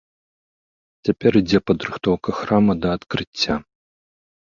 Цяпер ідзе падрыхтоўка храма да адкрыцця.